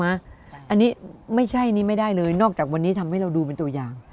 อันนี้ไม่ใช่นี้ไม่ได้เลยนอกจากวันนี้ทำให้เราดูเป็นตัวอย่าง